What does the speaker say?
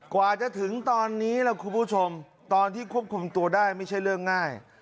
กว่าจะถึงตอนนี้ล่ะคุณผู้ชมตอนที่ควบคุมตัวได้ไม่ใช่เรื่องง่าย